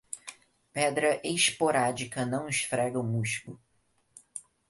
Pedra esporádica não esfrega o musgo.